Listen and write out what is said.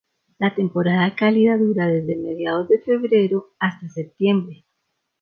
La temporada cálida dura desde mediados de febrero hasta septiembre.